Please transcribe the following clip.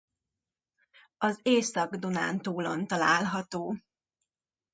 Az Észak-Dunántúlon található.